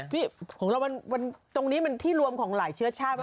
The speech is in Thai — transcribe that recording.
พี่ของเราตรงนี้มันที่รวมของหลายเชื้อชาติป่